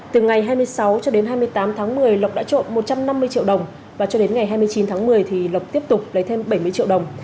từ ngày hai mươi sáu cho đến hai mươi tám tháng một mươi lộc đã trộm một trăm năm mươi triệu đồng và cho đến ngày hai mươi chín tháng một mươi thì lộc tiếp tục lấy thêm bảy mươi triệu đồng